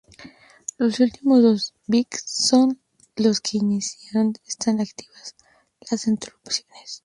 Los últimos dos bits son los que indican si están activas las interrupciones.